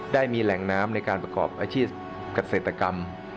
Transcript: ได้มีแหล่งน้ำในการประกอบอาชีพเกษตรกรรม